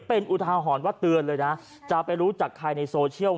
เป็นอุทาหรณ์ว่าเตือนเลยนะจะไปรู้จักใครในโซเชียล